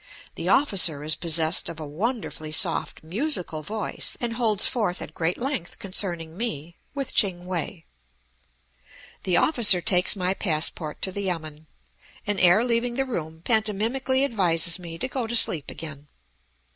The officer is possessed of a wonderfully soft, musical voice, and holds forth at great length concerning me, with Ching We. The officer takes my passport to the yamen, and ere leaving the room, pantomimically advises me to go to sleep again.